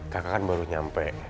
kakak kan baru nyampe